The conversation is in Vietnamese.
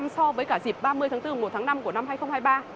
so với cả dịp ba mươi tháng bốn mùa một tháng năm của năm hai nghìn hai mươi ba